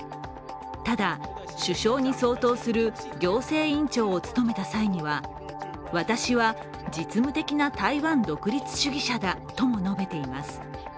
ただ、首相に相当する行政院長を務めた際には私は実務的な台湾独立主義者だとも述べています。